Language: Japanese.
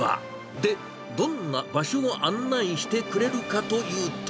で、どんな場所を案内してくれるかというと。